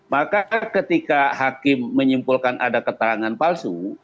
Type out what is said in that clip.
maka ketika hakim menyimpulkan ada keterangan palsu